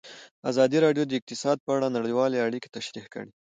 ازادي راډیو د اقتصاد په اړه نړیوالې اړیکې تشریح کړي.